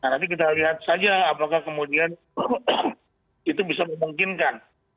nanti kita lihat saja apakah kemudian itu bisa memungkinkan